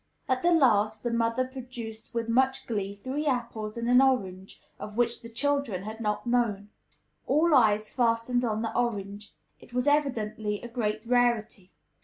At the last, the mother produced with much glee three apples and an orange, of which the children had not known. All eyes fastened on the orange. It was evidently a great rarity.